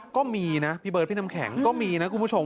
ก็มีนะพี่เบิร์ดพี่น้ำแข็งก็มีนะคุณผู้ชม